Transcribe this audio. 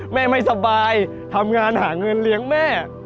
ไม่สบายทำงานหาเงินเลี้ยงแม่